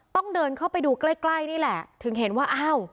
ต้องเดินเข้าไปดูใกล้ใกล้นี่แหละถึงเห็นว่าอ้าว